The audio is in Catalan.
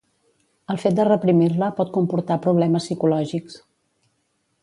El fet de reprimir-la pot comportar problemes psicològics.